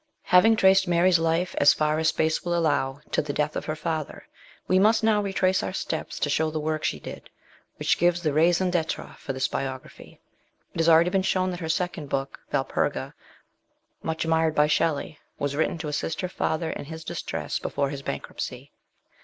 HAVING traced Mary's life, as far as space will allow, to the death of her father, we must now retrace our steps to show the work she did, which gives the raison d'etre for this biography. It has already been shown that her second book, Valperga, much admired by Shelley, was written to assist her father in his distress before his bankruptcy.